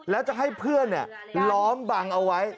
แล้วจะให้เพื่อนล้อมบังเอาไว้